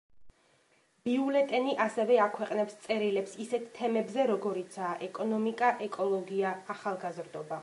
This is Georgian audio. ბიულეტენი ასევე აქვეყნებს წერილებს ისეთ თემებზე, როგორიცაა: ეკონომიკა, ეკოლოგია, ახალგაზრდობა.